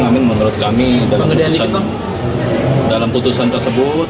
namun menurut kami dalam putusan tersebut